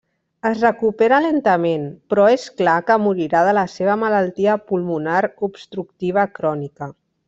Es recupera lentament però és clar que morirà de la seva malaltia pulmonar obstructiva crònica.